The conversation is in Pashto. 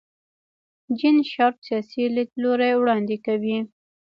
جین شارپ سیاسي لیدلوری وړاندې کوي.